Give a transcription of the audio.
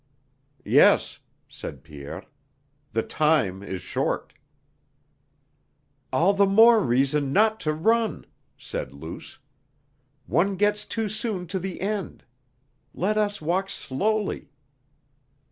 "Yes," said Pierre, "the time is short." "All the more reason not to run!" said Luce. "One gets too soon to the end. Let us walk slowly."